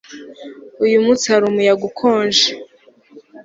Uyu munsi hari umuyaga ukonje